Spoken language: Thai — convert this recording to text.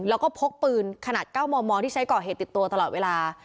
แล้วก็พกปืนขนาด๙มมที่ใช้ก่อเหตุติดตัวตลอดเวลา